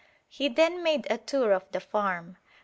He then made a tour of the farm.